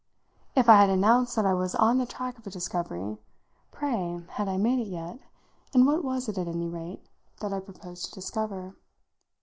If I had announced that I was on the track of a discovery, pray had I made it yet, and what was it, at any rate, that I proposed to discover?